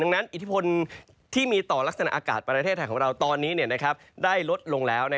อิทธิพลที่มีต่อลักษณะอากาศประเทศไทยของเราตอนนี้ได้ลดลงแล้ว